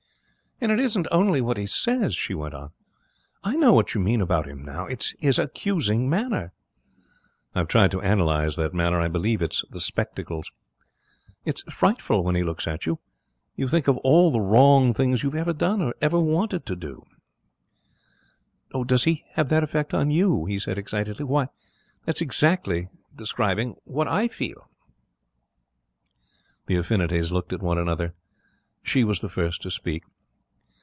'And it isn't only what he says,' she went on. 'I know what you mean about him now. It's his accusing manner.' 'I've tried to analyse that manner. I believe it's the spectacles.' 'It's frightful when he looks at you; you think of all the wrong things you have ever done or ever wanted to do.' 'Does he have that effect on you?' he said, excitedly. 'Why, that exactly describes what I feel.' The affinities looked at one another. She was the first to speak.